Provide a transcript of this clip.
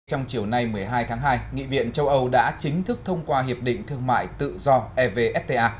trong chiều nay một mươi hai tháng hai nghị viện châu âu đã chính thức thông qua hiệp định thương mại tự do evfta